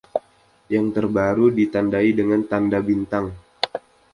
Yang terbaru ditandai dengan tanda bintang.